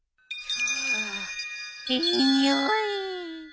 いい匂い。